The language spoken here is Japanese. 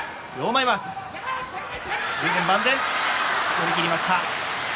寄り切りました。